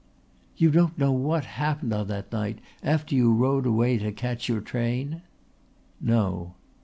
"You don't know what happened on that night, after you rode away to catch your train?" "No."